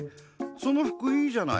その服いいじゃない。